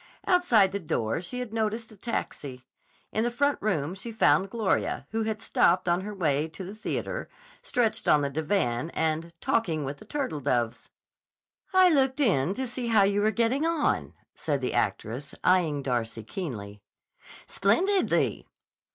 Outside the door she had noticed a taxi. In the front room she found Gloria, who had stopped on her way to the theater, stretched on the divan and talking with the turtledoves. "I looked in to see how you were getting on," said the actress, eyeing Darcy keenly. "Splendidly!"